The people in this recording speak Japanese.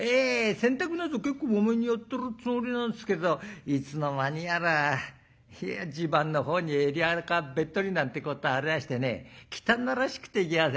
洗濯なぞ結構まめにやってるつもりなんですけどいつの間にやらじゅばんの方に襟あかべっとりなんてことありましてね汚らしくて嫌で」。